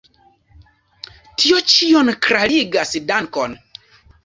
Tio ĉion klarigas, dankon!